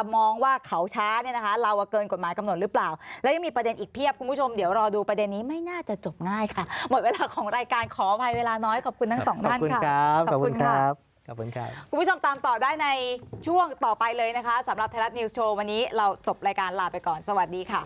ขอบคุณครับขอบคุณครับขอบคุณครับขอบคุณครับคุณผู้ชมตามตอบได้ในช่วงต่อไปเลยนะคะสำหรับไทยรัฐนิวส์โชว์วันนี้เราจบรายการลาไปก่อนสวัสดีค่ะ